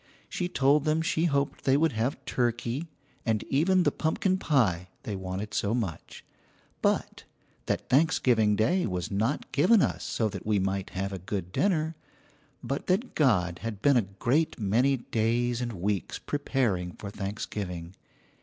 She told them she hoped they would have turkey and even the pumpkin pie they wanted so much, but that Thanksgiving Day was not given us so that we might have a good dinner, but that God had been a great many days and weeks preparing for Thanksgiving.